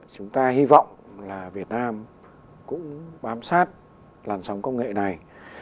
chúng ta hy vọng là việt nam cũng bám sát làn sóng công nghệ này